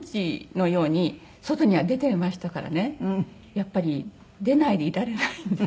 やっぱり出ないでいられないんです。